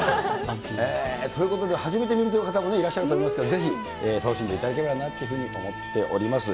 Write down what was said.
ということで、初めて見るという方もいらっしゃると思いますけれども、ぜひ楽しんでいただければなというふうに思っております。